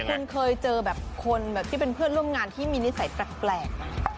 คุณเคยเจอแบบคนแบบที่เป็นเพื่อนร่วมงานที่มีนิสัยแปลก